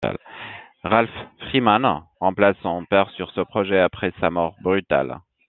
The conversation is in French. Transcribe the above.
Ralph Freeman remplace son père sur ce projet après sa mort brutale.